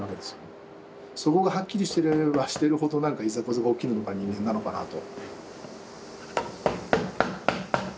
そこがはっきりしてればしてるほどなんかいざこざが起きるのが人間なのかなと。